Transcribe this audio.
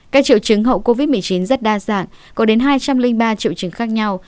các triệu chứng hậu covid một mươi chín rất đa dạng có đến hai trăm linh ba triệu chứng khác nhau